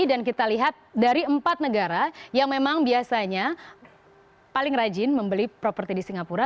dan kita lihat dari empat negara yang memang biasanya paling rajin membeli properti di singapura